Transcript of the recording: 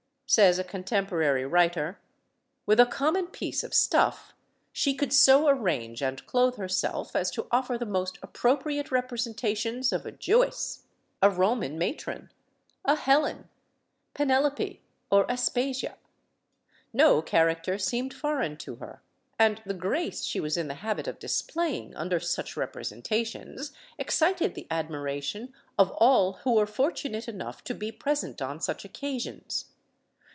Says a contemporary writer: With a common piece of stuff she could so arrange and clothe herself as to offer the most appropriate representations of a Jewess, a Roman matron, a Helen, Penelope, or Aspasia. No character seemed foreign to her, and the grace she was in the habit of displaying under such representations excited the admiration of all who were fortunate enough to be present on such occasions.